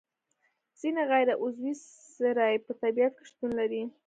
ځینې غیر عضوي سرې په طبیعت کې شتون لري.